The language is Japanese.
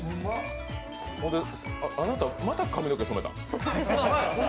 あなた、また髪の毛染めたの？